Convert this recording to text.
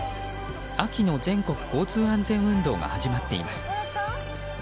秋の全国交通安全運動が始まっています。